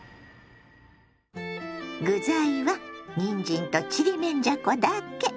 具材はにんじんとちりめんじゃこだけ。